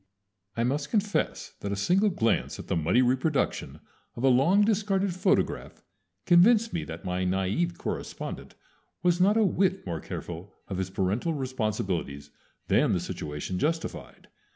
I must confess that a single glance at the muddy reproduction of a long discarded photograph convinced me that my naïve correspondent was not a whit more careful of his parental responsibilities than the situation justified.